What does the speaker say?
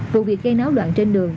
vụ việc gây náo đoạn trên đường